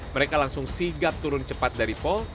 mereka langsung sigap turun cepat dari pol